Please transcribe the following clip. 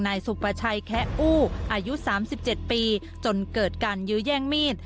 ในสภชัยแคะอูอายุ๓๗ปีจนเกิดการยื้อย่างมีด